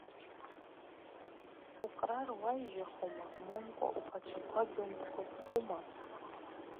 Укърар уайжьахума момкӏва упачваква гьуымгвапхума?